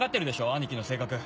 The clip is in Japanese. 兄貴の性格。